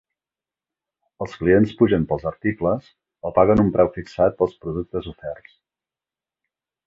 Els clients pugen pels articles o paguen un preu fixat pels productes oferts.